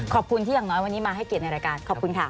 ขอบคุณที่อย่างน้อยวันนี้มาให้เกียรติในรายการขอบคุณค่ะ